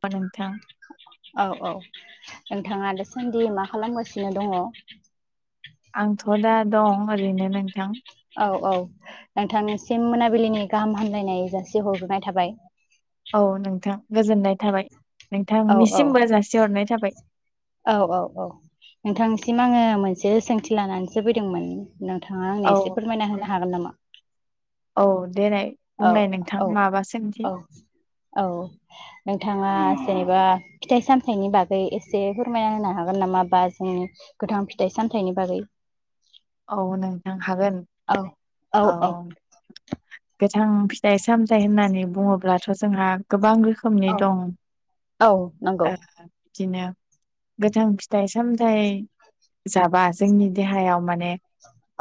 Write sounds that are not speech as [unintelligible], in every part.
बा नोंथां औ औ नोंथाङा दासान्दि मा खालामगासिनो दङ'? आंथ' दा दं ओरैनो नोंथां। औ औ नोंथांसिम मोनाबिलिनि गाहाम हामलायनाय जासि हरग्रोनाय थाबाय। अ नोंथां गोजोननाय थाबाय औ औ नोंथांनिसिमबो जासिहरनाय थाबाय। औ औ औ नोंथांसिम आङो मोनसे सोंथि लानानैसो फैदोंमोन नोंथाङा आंनो औ एसे फोरमायना होनो हागोन नामा? औ, देनाय औ बुंनाय नोंथां औ माबा सोंथि औ औ नोंथाङा जेनेबा फिथाइ सामथाइनि बागै एसे फोरमायना होनो हागोन नामा बा जोंनि गोथां फिथाइ साम थाइनि बागै? औ नोंथां हागोन औ औ। गोथां फिथाइ सामथाय होननानै बुङोब्लाथ' जोंहा गोबां रो खोमनि औ दं। औ नंगौ ओ दिनो गोथां फिथाइ सामथाइ जाबा जोंनि देहायाव माने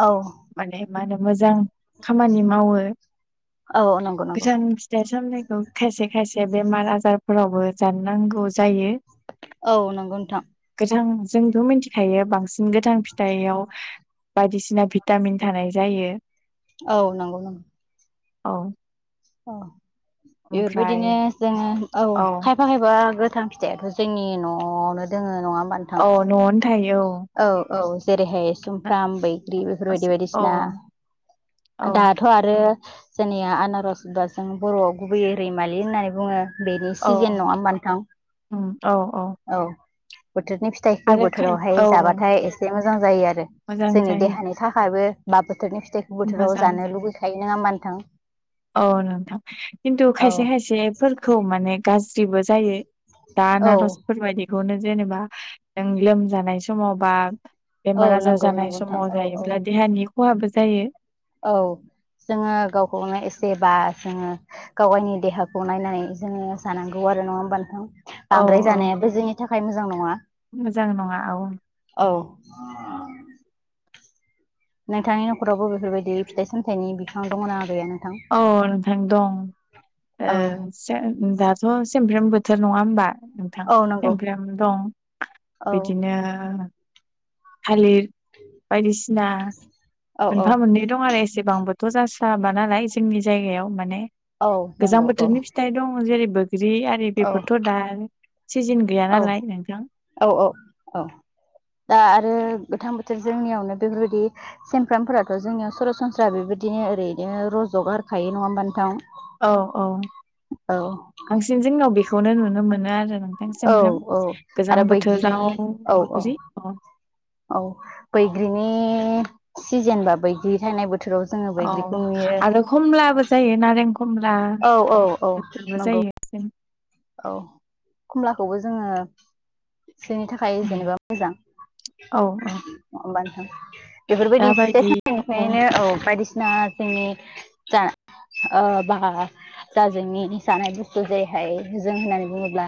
औ। माने मा होनो मोजां खामानि मावो औ नंगौ नंगौ गोथां फिथाइ सामथाय खौ खायसे खायसे बेमार आजारफोरावबो जानो नांगौ जायो। औ नंगौ नोंथां। जों-जोंथ' मिथिखायो बांसिन गोथां फिथाइयाव बायदिसिना भिटामिन थानाय जायो। औ नंगौ नंगौ। औ। औ एफोरबायदिनो ओमफ्राय जोङो औ खायफा खायफा गो थां फिथायाथ' जोंनि न'आवनो दोङो नङा होमबा नोंथां औ न'आवनो थायो औ। औ औ जेरैहाय सुमफ्राम, बै ग्रि औ बेफोरबायदि बायदिसिना औ औ दाथ' आरो जोंनिया आनारस बा जों बर'आव गुबैयै रैमालि होननानै बुङो। बेनि औ सिजोन नङा होमबा नोंथां? उम, औ औ। बोथोरनि फिथाइखौ आरो खाय बोथोरावहाय औ जाबाथाय एसे मोजां जायो आरो मोजां जोंनि जायो देहानि थाखायबो बा बोथोरनि फिथाइखौ बोथोराव मोजां जानो लुुबैखायो। नङा होमबा नोंथां? औ नोंथां खिन्थु औ खायसे खायसेफोरखौ माने गाज्रि ज्रि जायो दा औ आनारसफोर बायदि खौनो जेनेबा जों लोमजानाय समाव बा औ बेमार आजार नंगौ नंगौ जानाय नोंथां समाव औ औ जायोब्ला देहानि खहाबो जायो। औ। जोङो गावखौनो एसेबा जोङो गाव गावनि देहाखौ नायनानै जोङो जानांगौ आ रो नङा होमबा नोंथां? औ बांद्राय औ जानायाबो जोंनि थाखाय मोजां नङा। मोजां नङा औ। औ। नोंथांनि न'खरावबो बेफोरबायदि फिथाइ सामथाइनि बिफां दङ' ना गैयानो? औ नोंथां दं। ओ औ से दाथ' सेमब्रम बोथोर नङा होमबा नोंथां औ नंगौ सेमब्रम दं। [inaudible] बिदिनो थालिर बायदिसिना औ औ मोनफा मोननै दं आरो एसेबांबो थ' जासाबा नालाय जोंनि जायगायाव माने औ गोजां नंगौ औ बोथोरनि फिथाइ दं। जेरैबो बिदि आरि औ बेफोरथ' दा सिजोन गैया औ नालाय नोंथां। औ औ औ। दा आरो गोथां बोथोर जोंनियावनो बेफोरबायदि सेमफ्रामफोराथ' जोंनियाव सरासनस्रा बेबायदि बिदिनो ओरैनो रज'गारखायो नङा होमबा नोंथां। औ औ औ बांसिन जोंनाव बेखौनो नुनो मोनो आरो। नोंथां औ सोमब्रोम औ गोजां आरो बोथोराव बैग्रिनि औ बुग्रि। औ बैग्रिनि सिजेनबा बैग्रि थायनाय बोथोर। बोथोराव जोङो औ बैग्रिखौ नुयो। आरो खमलाबो जायो नारें खमला औ औ औ बेफोरबो नंगौ। जायो जों औ खमलाखौबो जोङो बिनि थाखाय जेनेबा मोजां औ औ होमबा नोंथां? बेफोरबायदि फिथाइ सामथाइनिफ्रायनो औ बायदिसिना जोंनि जा बा जा जोंनि जानाय बुस्थु जेरैहाय जों होननानै बुङोब्ला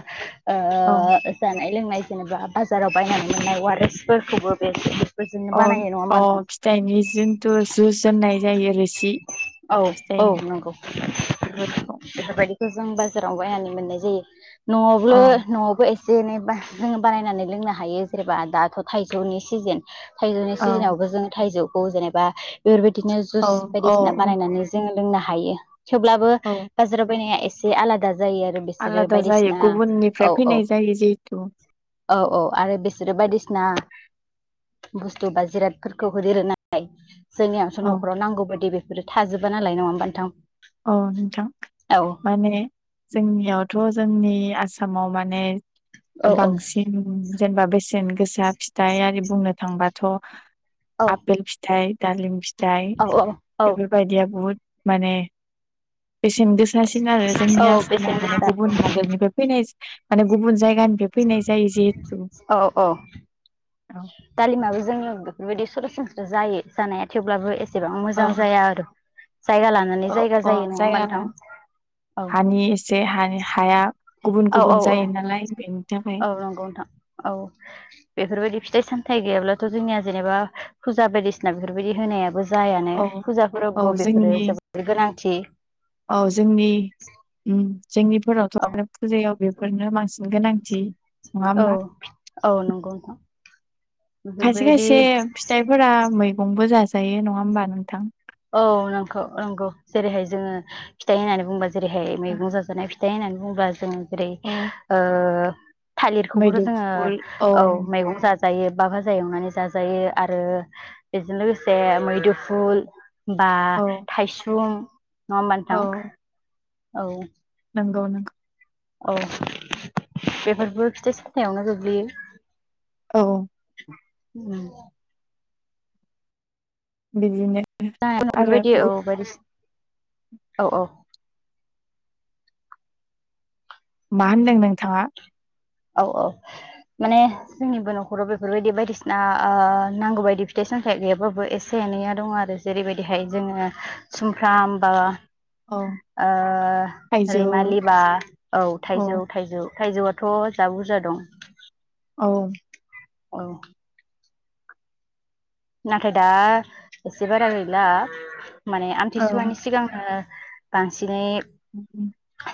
औ जानाय । लोंनाय जेनेबा बाजाराव बायनानै मोननाय वारेसफोरखौबो बे बेफोरजोंनो अ बानायो नङा होमबा अ नोंथां फिथाइनि जिन्थु जुसोननाय जायो रोसि । औ औ नंगौ बेफोरखौ बेफोरबायदिखौ जों बा बाजाराव बायनानै मोननाय जायो, न'आव औ न'आवबो एसे जेनेबा जोङो बानायनानै लोंनो हायो जेनेबा दाथ' थाइजौनि सिजोन थाइजौनि औ सिजोनावबो जों थाइजौखौ जेनेबा बेफोरबायदि बादिनो औ जुइस औ बायदिसिना औ बानायनानै जोङो लोंनो हायो, थेवब्लाबो औ बाजाराव बायनाया एसे एसे आलादा जायो आरो बे आलादा जायो गुबुननिफ्राय फैनाय जायो जिहेथु औ औ आरो बिसोरो बायदिसिना बुस्थु बा जिरादफोरखौ होदेरो नालाय, जोंनियाथ' औ न'खराव नांगौ बायदि बे बेफोरो थाजोबा नालाय नङा होमबा नोंथां । औ नोंथां माने जोंनियाव । थ' जोंनि आसामाव माने औ औ बांसिन जेनेबा बेसेन गोसा । फिथाइ आरि बुंनो थांबाथ' औ आपेल फिथाइ, दालिम फिथाइ । फिथाइ औ औ बेफोरबायदिया बुहुद माने बेसेन गोसासिन आरो औ जोंनि आसामाव बेसेन माने गोसा गुबुन हादोरनिफ्राय फैनाय माने गुबुन जायगा गानिफ्याय फैनाय जायो जिहेथु औ औ औ दालिमाबो जोंनियाव बेफोरबायदि सरासनस्रा जायो जानाया थेवब्लाबो ए सेबां औ मोजां जाया आरो । जायगा लानानै औ जायगा जायो अ नङा होमबा जायगा नोंथां औ । हानि एसे हानि हाया गुबुन औ औ गुबुन औ जायो नालाय बेनि थाखाय औ नंगौ नोंथां औ बेफोरबायदि फि थाइ-सामथाइ गैयाब्लाथ' जोंनिया जेनेबा फुजा बायदिसिना बेफोरबायदि होनायाबो । जायानो औ औ फुजाफोरावबो बेफोरो जोंनि जोबोर गोनांथि । औ जोंनि जोंनिफोरावथ' औ आरो फुजायाव बेफोरनो बांसिन गोनांथि नङा औ होमबा औ नंगौ । खायसे खायसे फिथाइफोरा मैगंबो जाजायो नङा होमबा नोंथां? औ नं नंगौ जेरैहाय जोङो फिथाइ होननानै बुंबा ज जेरैहाय मैगं जाजानाय फिथाइ होननानै बुङोब्ला जोङो जेरै अ थालिरखौबोथ' जोङो औ मैगं जा जायो बा भाजा एवनानै जाजायो आरो बेजों लोगोसे मैदुफुल बा औ थायसुं नङा होमबा नोंथां औ नोंगौ नोंगौ । औ बेफोरबो फिथाइ सामथायावनो गोग्लैयो । औ । [unintelligible] बिदिनो जा आरो बेफोरबायदि बहुद औ बयदिसि औ औ मा होनदों नोंथाङा? औ औ माने जोंनिबो न'खराव बेफोरबायदि बायदिसिना ओ नांगौ बायदि फिथाइ सोलोंथाइ गैयाबाबो एसे एनैया दङ आरो जेरैबायदिहाय जोङो सुमफ्राम बा औ ओ थाइजौ रैमालि बा औ थाइजौ थाइजौ थाइजौआथ' जा बुरजा दं औ औ नाथाय दा एसे बारा गैला माने औ आमथिसुवानि सिगां ओ बांसिनै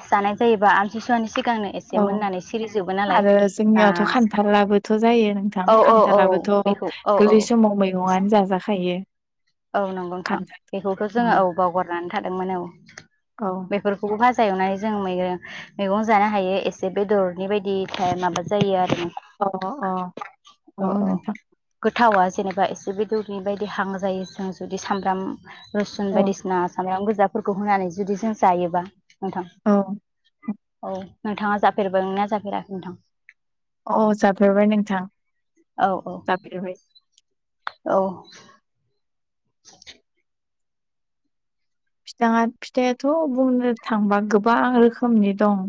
जानाय जायोबा आमथिसुवानि सिगांनो एसे औ मोननानै सिरिजोबो नालाय आरो दा जोंनियावथ खान्थालाबोथ जायो नोंथां औ औ औ खान्थाला बोथ बेखौ औ गोरलै औ समाव मैगंआनो जाजाखायो। औ नंगौ नोंथां खान्थाल बेखौथ जोङो औ उम बावगारनानै थादोंमोन औ औ बेफोरखौबो भा जां एवनानै जों मैगं मैगं जानो हायो एसे बेदरनि बायदिहाय माबा जायो आरो अ अ औ गोथावआ जेनेबा एसे बेदरनि बायदि हां जायो जों जुदि सामब्राम रुसुन अ बायदिसिना सामब्राम गोजा फोरखौ होनानै जुदि जों जायोबा नोंथां औ औ नोंथाङा जाफेरबाय ना जाफेराखै नोंथां अ जाफेरबाय नोंथां औ औ जाफेरबाय औ फिथाङा फिथाइाथ' बुंनो थांबा गोबां रोखोमनि दं।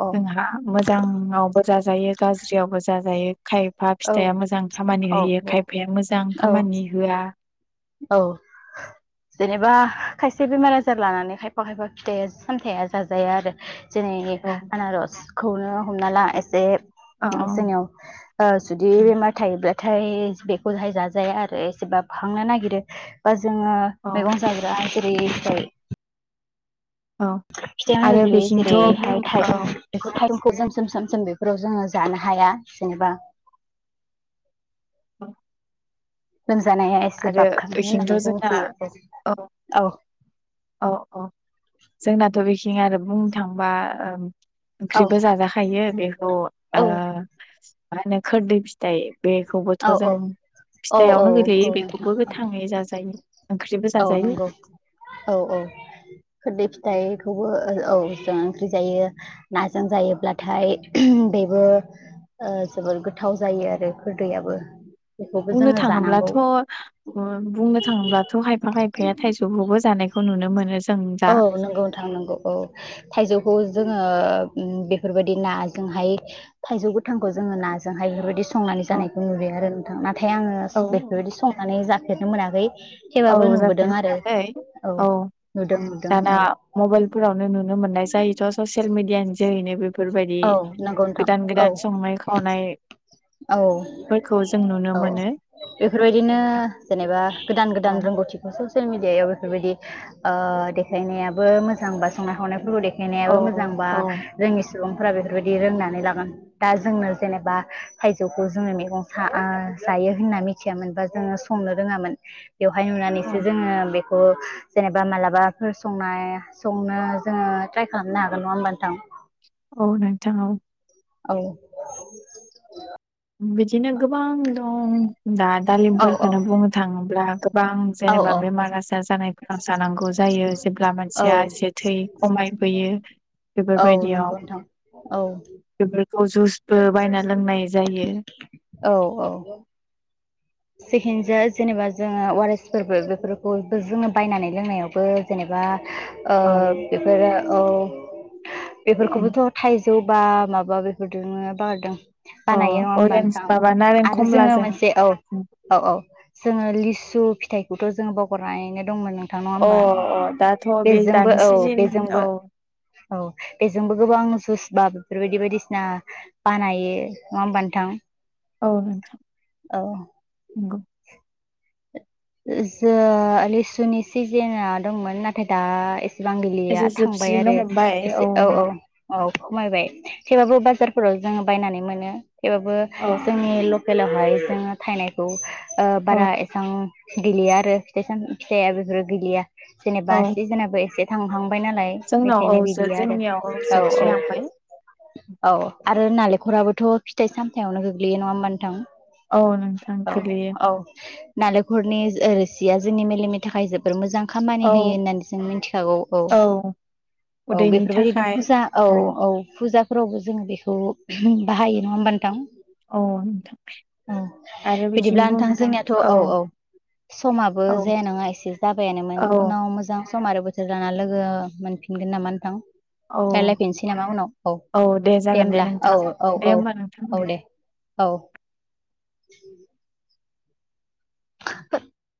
औ जोंहा मोजाङावबो जाजायो गाज्रियावबो जाजायो। खायफा फिथाइआ औ मोजां खामानि होयो खायफाया मोजां औ खामानि होआ औ जेनेबा खायसे बेमार आजार लानानै खायफा खायफा फिथाइया सामथाया जाजाया आरो जेरै औ आनारसखौनो हमना ला एसे औ जोंनियाव‌ ओ जुदि बेमार थायोब्ला नाथाय बेखौ हाय जाजाया आरो एसे बाबखांनो नागिरो बा जोङो औ मैगं जाग्रा जेरै फ्राय औ फिथायावनो आरो गोग्लैयो बेथिंथ' बुं जेरैहाय औ थाइसुम बेखौ थाय जोम सोम सोम सोम बेफोराव जोङो जानो हाया जेनेबा औ जानाया एसे आरो बाबखांङो बेथिंथ' होननानै जों जोंना मिथियो औ औ औ जोंनाथ बेखिं आरो बुंनो थांबा ओम औ ओंख्रिबो जाजाखायो बेखौ ओ‌ औ मा होनो खोरदै फिथाइ बेखौबोथ‌ औ जों औ औ फिथाइआवनो गोलैयो औ बेखौबो नोंथां गोथाङै जाजायो। ओंख्रिबो औ जाजायो नंगौ औ औ खोददै फिथाइ खौबो ओ औ जों ओंख्रि जायो नाजों जायोब्लाथाय बेबो ओ जोबोर गोथाव जायो आरो खोरदैयाबो। बेखौबो बुंनो जोङो जानांगौ थाङोब्लाथ‌' ओ बुंनो थाङोब्लाथ‌' खायफा खायफाया थाइजौखौबो जानाय खौ नुनो मोनो जों दा औ नंगौ नोंथां नंगौ औ थाइजौखौ जों ओ बेफोरबायदि नाजोंहाय थाइजौ गोथांखौ जोङो नाजोंहाय बेफोर बायदि संनानै औ जानायखौ नुयो आरो नोंथां नाथाय आङो औ बेफोरबायदि संनानै जाफेरनो मोनाखै। औ थेवबाबो नुबोदों जाफेर आरो मोनाखै औ नुदों नुदों दाना औ मबाइलफोरावनो नु नुनो मोननाय जायोथ' ससियेल मिडिया नि जोहैनो बेफोरबायदि औ नंगौ नोंथां गोदान औ गोदान संनाय खावनाय औ औ मोनो बेफोरबायदिनो नोंथां जेनेबा गोदान औ गोदान रोंगौथिखौसो ससियेल मिडियायाव बेफोरबायदि ओ देखायनायाबो मोजां बा संनाय खावनायफोरखौ देखाय औ देखायनायाबो मोजांबा औ जोंनि सुबुंफोरा बेफोरबायदि रोंनानै लागोन दा जोंनो जेनेबा थाइजौखौ जोङो मेगं जायो होनना मिथियामोन बा जोङो संनो रोङामोन बेवहाय नुनानैसो जोङो बे ओ‌ जेनेबा मालाबाफोर संनाय संनो जोङो ट्राइ खालामनो हागोन नङा होमबा नोंथां औ नोंथां औ औ बिदिनो गोबां दं दा औ दालिमफोरखोनो बुंनो थाङोब्ला गोबां औ जेनेबा बेमार - आजार जानाय जानांगौ जायो जेब्ला औ मानसिया जे थै खमायबोयो औ बेफोरबायदियाव नंगौ नोंथां औ बेफोरखौ जुसबो बायना लोंनाय जायो औ - औ जेखिनिजाया जेनेबा जोङो अवारेसफोरबो बेफोरखौबो जोङो बायनानै लोंनायावबो जेनेबा ओ औ बेफोरो औ बेफोरखौबोथ' थाइजौ बा माबा बेफोरजोंनो बारदों अ बानायो नङा होमबा अरेन्ज माबा नारें नोंथां आरो जोङो खमलाजों मोनसे औ औ - औ जोङो लिसु फिथाइखौथ' जोङो बावगारनानैनो दंमोन नों थां नङा अ हबा दाथ' बे बेजोंबो दानि औ सिजोन बेजोंबो औ औ बेजोंबो गोबां जुस बा बेफोरबायदि बायदिसिना बानायो नङा होमबा नोंथां औ नोंथां औ नोंगौ जो लिसुनि सिजेना दंमोन नाथाय दा एसेबां गैलिया एसे थांबाय जोबस्रिनो आरो हमबाय एसे औ- नोंथां औ- औ खमायबाय थेवबाबो बाजारफोराव जोङो बायनानै मोनो थेवबाबो औ जोंनि लकेलावहाय जोङो थाइनायखौ ओ औ बारा एसेबां गैलिया आरो फिथाइ- सामथाय फिथाइया बेफोरो गेलेया जेनेबा औ सिजेनाबा एसे थांहां थांबाय नालाय जोंनाव औ बेखायनो जो- बिदि आरो जोंनियाव औ - औ जोबस्रिलांबाय औ आरो नालेंखराबोथ फिथाइ सामथायावनो गोग्लैयो नङा होमबा नोंथां औ नोंथां औ गोलैयो औ नालेंखरनि ओ रोसिया जोंनि मेलेमनि थाखाय जोबोर मोजां खामानि औ होयो होननानै जों मिथिखागौ औ औ उदैनि बेफोरबायदिनो थाखाय फुजा औ - औ फुजा फोरावबो जोङो बेखौ बाहायो नङा होनबा नोंथां औ आरो बेखिं बिदिब्ला बुं नोंथां जोंनियाथ औ - औ समाबो औ जाया नङा एसे जाबायानोमोन औ उनाव मोजां सम आरो बोथोर जाना लोगो मोनफिनगोन नामा नोंथां औ रायलायफिनसै नामा उनाव औ दे जागोन दे होमब्ला औ नोंथां -औ दे -औ होमबा नोंथां -औ दे औ